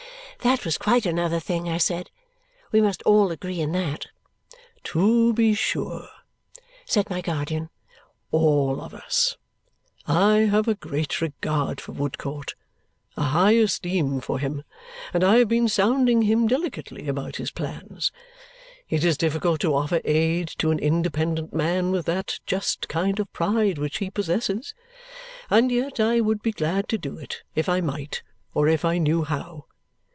That was quite another thing, I said. We must all agree in that. "To be sure," said my guardian. "All of us. I have a great regard for Woodcourt, a high esteem for him; and I have been sounding him delicately about his plans. It is difficult to offer aid to an independent man with that just kind of pride which he possesses. And yet I would be glad to do it if I might or if I knew how.